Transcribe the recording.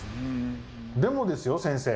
でもですよ先生。